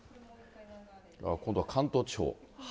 今度は関東地方。